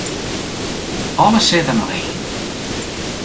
Alles sit der noch yn.